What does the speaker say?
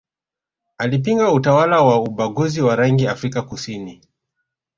alipinga utawala wa ubaguzi wa rangi Afrika kusini